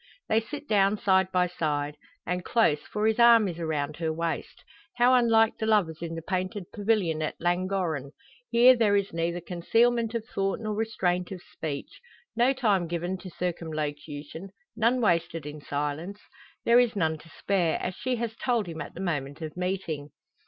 They sit down side by side; and close, for his arm is around her waist. How unlike the lovers in the painted pavilion at Llangorren! Here there is neither concealment of thought nor restraint of speech no time given to circumlocution none wasted in silence. There is none to spare, as she has told him at the moment of meeting.